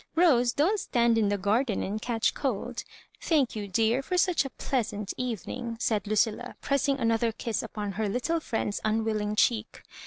Rose, don't stand in the garden and catch cold ; thank you, dear, for such a pleasant evening," said Lucilla, press ing another kiss upon her little friend's unwilling cheek.